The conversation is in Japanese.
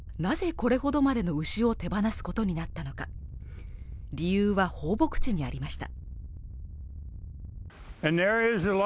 これほどまでの牛を手放すことになったのか理由は放牧地にありました